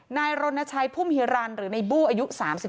นายรณชัยพุ่มฮิรันหรือในบู้อายุ๓๒